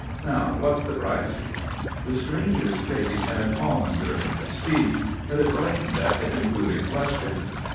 Now, what's the price?" The stranger's face had fallen during this speech, but it brightened at the concluding question.